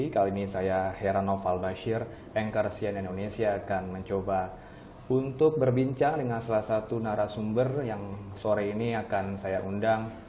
kali ini saya herano falbashir anchor cnn indonesia akan mencoba untuk berbincang dengan salah satu narasumber yang sore ini akan saya undang